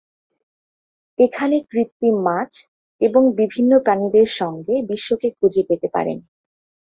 এখানে কৃত্রিম মাছ এবং বিভিন্ন প্রাণীদের সঙ্গে, বিশ্বকে খুঁজে পেতে পারেন।